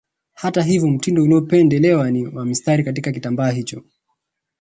Hata hivyo mtindo uliopendelewa ni wa mistari katika kitambaa hicho